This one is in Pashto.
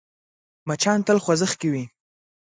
مچان تل خوځښت کې وي